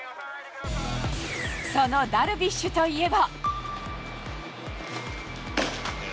そのダルビッシュといえば。